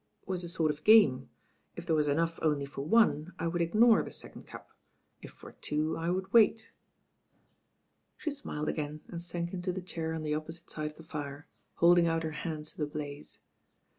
"It was a sort of game. If there was enough only for one, I would ignore the second cup; if for two» I would wait." She smiled again and sank into the chair on the opposite side of the fire, holding out her hands to the blaze.